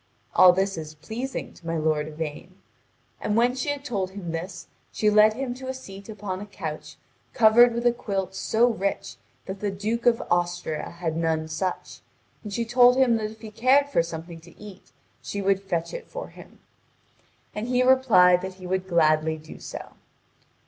All this is pleasing to my lord Yvain. And when she had told him this, she led him to a seat upon a couch covered with a quilt so rich that the Duke of Austria had none such, and she told him that if he cared for something to eat she would fetch it for him; and he replied that he would gladly do so.